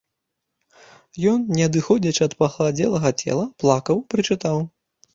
Ён, не адыходзячы ад пахаладзелага цела, плакаў, прычытаў.